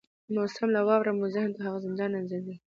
نو سم له واره مو ذهن ته هغه زندان او زنځیرونه راځي